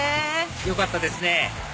よかったですね